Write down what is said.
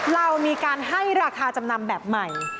เรามีการให้ราคาจำนำแบบใหม่